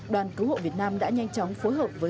đoàn cứu hộ việt nam đã nhanh chóng phối hợp với